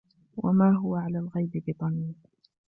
وما هو على الغيب بضنين